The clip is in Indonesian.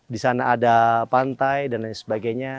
di sana ada pantai dan lain sebagainya